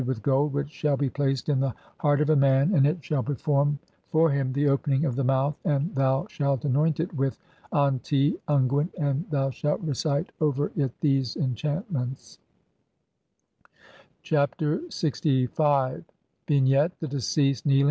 WITH GOLD, WHICH SHALL BE PLACED IN THE HEART OF A MAN, AND IT SHALL PERFORM FOR HIM THE "OPENING OF THE MOUTH". AND THOU SHALT ANOINT IT WITH ANTI UNGUENT, AND THOU SHALT RECITE OVER IT [THESE] ENCHANTMENTS :— s Chapter LXV.